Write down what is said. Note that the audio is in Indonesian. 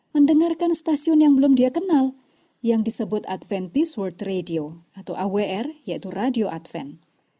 mendengarkan stasiun yang belum dia kenal yang disebut adventist world radio atau awr yaitu radio advent